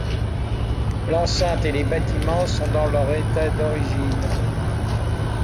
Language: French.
L'enceinte et les bâtiments sont dans leur état d'origine.